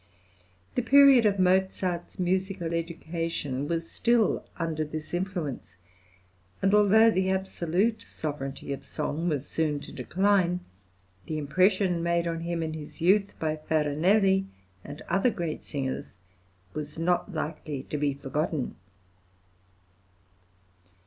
The period of Mozart's musical education was still under this influence, and, although the absolute sovereignty of song was soon to decline, the impression made on him in his youth by Farinelli and other great singers was not likely to be forgotten.